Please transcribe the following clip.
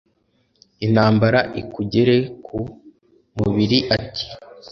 Intambara ikugere ku mubiliAti: